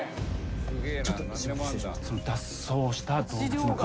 「脱走した動物の」